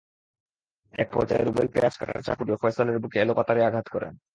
একপর্যায়ে রুবেল পেঁয়াজ কাটার চাকু দিয়ে ফয়সালের বুকে এলোপাতাড়ি আঘাত করেন।